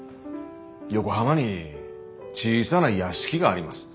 横浜に小さな屋敷があります。